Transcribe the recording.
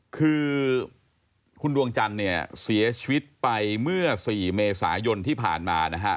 คือคุณดวงจันทร์เนี่ยเสียชีวิตไปเมื่อ๔เมษายนที่ผ่านมานะฮะ